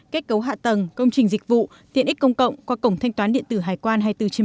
kết cấu hạ tầng công trình dịch vụ tiện ích công cộng qua cổng thanh toán điện tử hải quan hai trăm bốn mươi bảy